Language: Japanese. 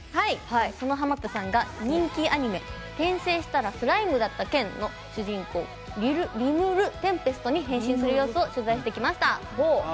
そのハマったさんが人気アニメ「転生したらスライムだった件」主人公、リムル＝テンペストに変身する様子を取材してきました。